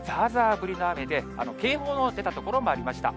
降りの雨で、警報の出た所もありました。